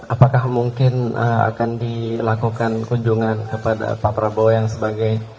apakah mungkin akan dilakukan kunjungan kepada pak prabowo yang sebagai